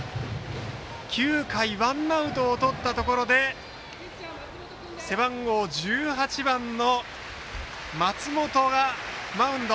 ９回、ワンアウトをとったところで背番号１８番の松元がマウンド。